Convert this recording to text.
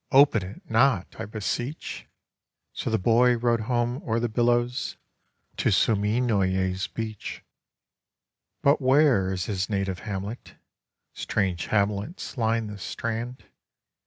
Open it not, I beseech!" So the boy row'd home o'er the billows To Suminoye's beach. But where is his native hamlet? Strange hamlets line the strand.